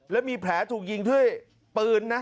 แล้วมีแผลถูกยิงด้วยปืนนะ